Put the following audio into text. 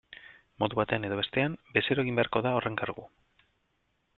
Modu batean edo bestean, bezeroa egin beharko da horren kargu.